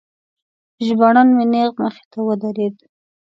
ژباړن مې نیغ مخې ته ودرید.